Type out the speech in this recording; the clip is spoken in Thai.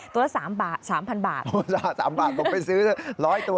ตัวละ๓บาท๓๐๐๐บาท๓บาทก็ไปซื้อ๑๐๐ตัว